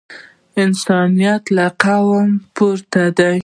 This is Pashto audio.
انسانیت له قوم پورته دی.